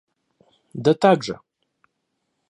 Да так же.